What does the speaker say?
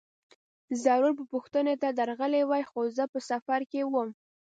ضرور به پوښتنې ته درغلی وای، خو زه په سفر کې وم.